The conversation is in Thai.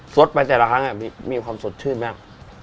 สดไปแต่ละครั้งมีความสดชื่นบ้าง